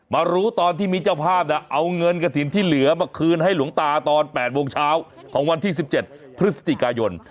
มารู้ตอนที่มีเจ้าภาพเอาเงินกระถิ่นที่เหลือมาคืนให้หลวงตาตอน๘โมงเช้าของวันที่๑๗พฤศจิกายน